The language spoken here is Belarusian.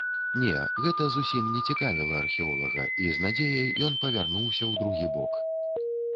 Не, гэта зусім не цікавіла археолага, і з надзеяй ён павярнуўся ў другі бок.